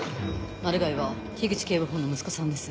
マルガイは口警部補の息子さんです。